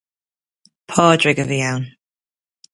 Pádraic a bhí ann.